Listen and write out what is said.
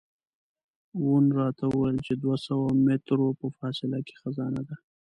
وون راته وویل چې دوه سوه مترو په فاصله کې خزانه ده.